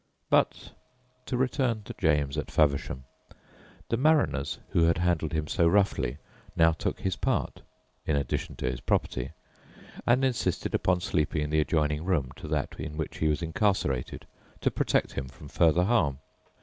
But to return to James at Faversham. The mariners who had handled him so roughly now took his part in addition to his property and insisted upon sleeping in the adjoining room to that in which he was incarcerated, to protect him from further harm.